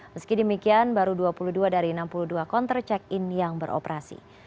meski demikian baru dua puluh dua dari enam puluh dua konter check in yang beroperasi